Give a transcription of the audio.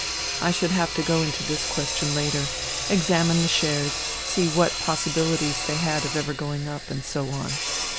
I should have to go into this question later ; examine the shares, see what possibiHties they had of ever going up, and so on.